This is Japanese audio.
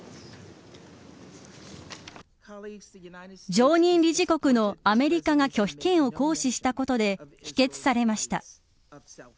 常任理事国のアメリカが拒否権を行使したことで否決されました。